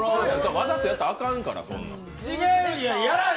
わざとやったらあかんからそんなん。